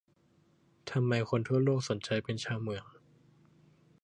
ทำไมคนทั่วโลกสนใจเป็นชาวเหมือง